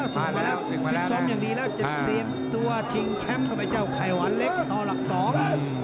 ฟิตซ้อมอย่างดีแล้วจะเตรียมตัวชิงแชมป์กับไอ้เจ้าไข่หวานเล็กต่อหลักสอง